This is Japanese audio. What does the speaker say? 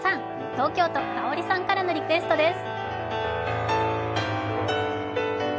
東京都かおりさんからのリクエストです。